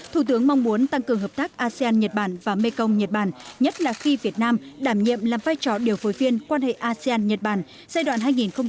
thủ tướng mong muốn tăng cường hợp tác asean nhật bản và mekong nhật bản nhất là khi việt nam đảm nhiệm làm vai trò điều phối viên quan hệ asean nhật bản giai đoạn hai nghìn một mươi sáu hai nghìn hai mươi